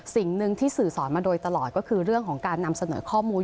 สิ่งหนึ่งที่สื่อสอนมาโดยตลอดก็คือเรื่องของการนำเสนอข้อมูล